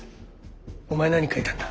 お前何書いたんだ？